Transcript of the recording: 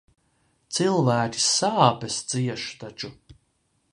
Cilvēki sāpes cieš taču.